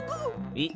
えっ？